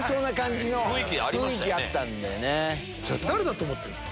誰だと思ってるんすか？